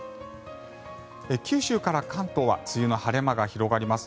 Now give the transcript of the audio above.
九州から関東は梅雨の晴れ間が広がります。